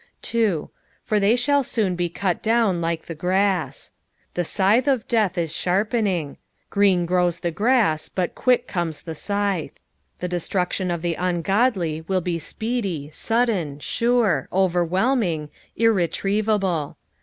a. " For they shall soon be cut down ttt* the grass," The scythe of death la sharpening. Orcen grows the grass, but quick comes the BC;ithe, The de struction of the ungodly will be speedy, sudden, sure, overwhelming, irretriev able.